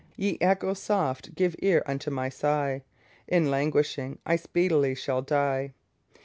Ye echoes soft, give ear unto my sigh; In languishing I speedily shall die.